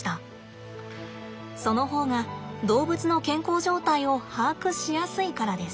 その方が動物の健康状態を把握しやすいからです。